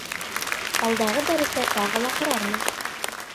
Алдағы дәрестә тағы ла һорармын.